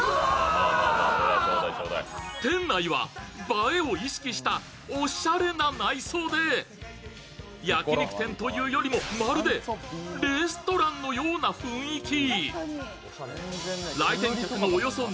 店内は映えを意識したおしゃれな内装で、焼き肉店というよりもまるでレストランのような雰囲気。